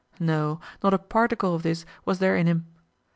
No, not a particle of this was there in him.